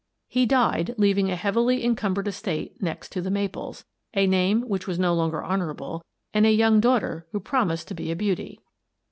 He died, leaving a heavily encumbered estate next to " The Maples," a name which was no longer hon ourable, and a young daughter who promised to be a beauty.